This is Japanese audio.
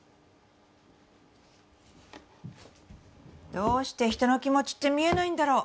どうして人の気持ちって見えないんだろう。